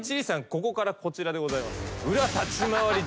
ここからこちらでございます。